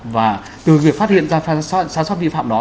và từ việc phát hiện ra sai sót vi phạm đó